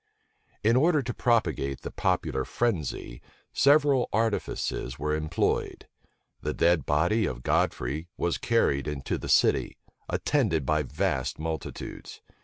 [*] In order to propagate the popular frenzy, several artifices were employed. The dead body of Godfrey was carried into the city, attended by vast multitudes.